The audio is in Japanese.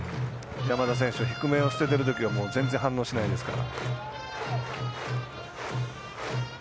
山田選手、低めを捨ててるときは全然、反応しないですから。